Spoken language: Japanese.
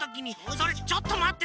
それちょっとまって！